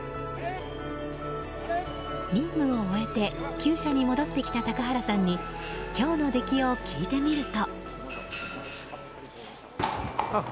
任務を終えて厩舎に戻ってきた高原さんに今日の出来を聞いてみると。